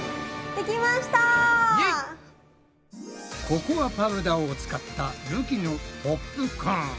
ココアパウダーを使ったるきのポップコーン。